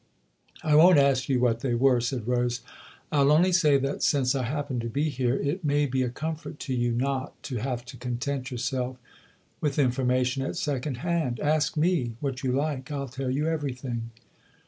" I won't ask you what they were," said Rose, " I'll only say that, since I happen to be here, it may be a comfort to you not to have to content yourself with information at second hand. Ask me what you like. I'll tell you everything."